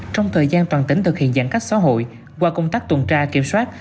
trong thời gian toàn tỉnh thực hiện giãn cách xã hội qua công tác tuần tra kiểm soát